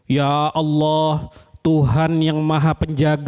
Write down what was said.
ya allah tuhan yang maha penjaga